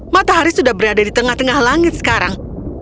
matahari sudah berada di tengah tengah langit sekarang